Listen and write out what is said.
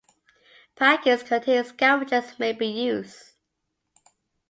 Packets containing scavengers may be used.